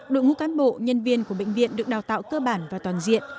đội ngũ cán bộ nhân viên của bệnh viện được đào tạo cơ bản và toàn diện